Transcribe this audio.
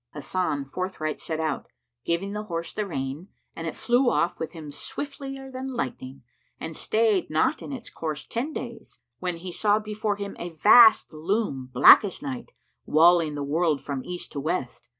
Hasan forthright set out giving the horse the rein, and it flew off with him swiftlier than lightning, and stayed not in its course ten days, when he saw before him a vast loom black as night, walling the world from East to West.